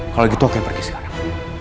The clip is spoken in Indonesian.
kalau gitu aku yang pergi sekarang